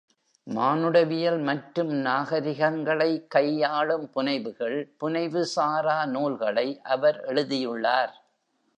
மானுடவியல் மற்றும் நாகரிகங்களை கையாளும் புனைவுகள், புனைவுசாரா நூல்களை அவர் எழுதியுள்ளார்.